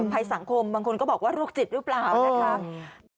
ภัยสังคมบางคนก็บอกว่าโรคจิตหรือเปล่านะคะ